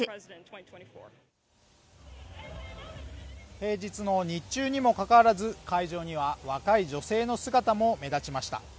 平日の日中にもかかわらず会場には若い女性の姿も目立ちました。